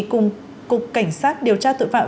cùng cục cảnh sát điều tra tội phạm